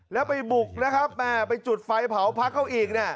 แล้วไปบุกนะครับแม่ไปจุดไฟเผาพักเขาอีกเนี่ย